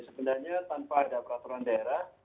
sebenarnya tanpa ada peraturan daerah